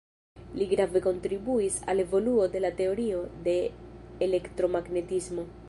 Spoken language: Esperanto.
Li grave kontribuis al evoluo de la teorio de elektromagnetismo.